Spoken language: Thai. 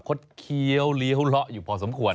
ดเคี้ยวเลี้ยวเลาะอยู่พอสมควร